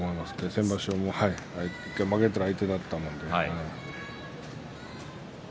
先場所１回負けている相手でしたから。